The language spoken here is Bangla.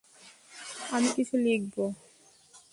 আমি কিছু লিখব।